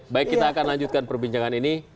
baik kita akan lanjutkan perbincangan ini